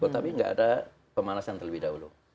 tapi nggak ada pemalasan terlebih dahulu